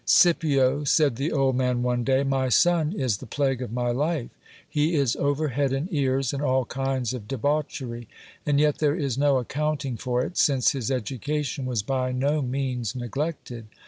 Scipio, said the old man one day, my son is the plague of my life. He is over head and ears in all kinds of debauchery : and yet there is no accounting for it, since his education was by no means neglected.